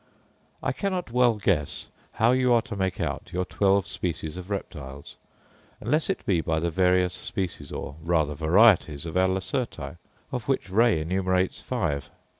I cannot well guess how you are to make out your twelve species of reptiles, unless it be by the various species, or rather varieties, of our lacerti, of which Ray enumerates five.